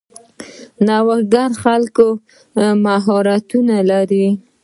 نوښتګر خلک مهارتونه لري.